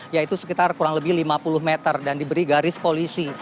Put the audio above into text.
yaitu sekitar kurang lebih lima puluh meter dan diberi garis polisi